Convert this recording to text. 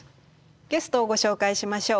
ゲストをご紹介しましょう。